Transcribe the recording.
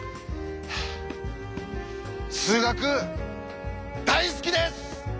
数学大好きです！